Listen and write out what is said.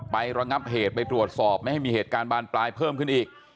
ระงับเหตุไปตรวจสอบไม่ให้มีเหตุการณ์บานปลายเพิ่มขึ้นอีก